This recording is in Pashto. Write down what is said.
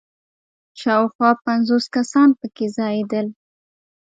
شاوخوا پنځوس کسان په کې ځایېدل.